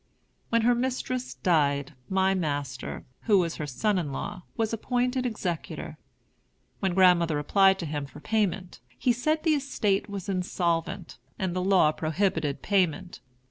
When her mistress died, my master, who was her son in law, was appointed executor. When grandmother applied to him for payment, he said the estate was insolvent, and the law prohibited payment.